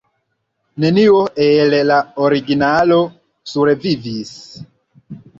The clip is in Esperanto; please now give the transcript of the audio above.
Nenio el la originalo survivis.